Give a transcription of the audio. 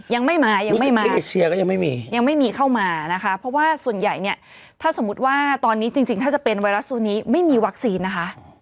ยังไม่มายังไม่มาเอเชียก็ยังไม่มียังไม่มีเข้ามานะคะเพราะว่าส่วนใหญ่เนี่ยถ้าสมมุติว่าตอนนี้จริงถ้าจะเป็นไวรัสซูนี้ไม่มีวัคซีนนะคะ